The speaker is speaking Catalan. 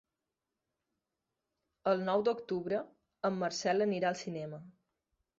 El nou d'octubre en Marcel anirà al cinema.